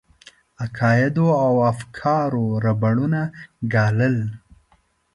عقایدو او افکارو ربړونه ګالل.